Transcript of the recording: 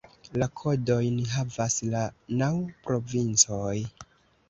La kodojn havas la naŭ provincoj.